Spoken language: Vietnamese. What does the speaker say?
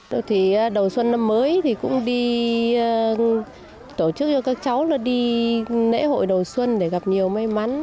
đầu xuân năm mới thì cũng đi tổ chức cho các cháu đi lễ hội đầu xuân để gặp nhiều may mắn